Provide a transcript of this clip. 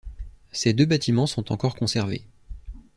Ces deux bâtiments sont encore conservés.